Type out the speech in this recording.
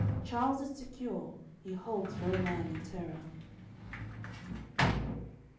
Charles is secure, he holds no man in terror."